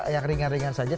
yang ringan ringan saja